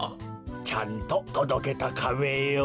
ちゃんととどけたカメよ。